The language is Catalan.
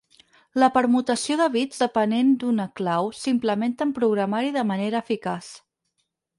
La permutació de bits depenent d'una clau s'implementa en programari de manera eficaç.